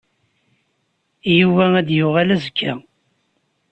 Yuba ad d-yuɣal azekka.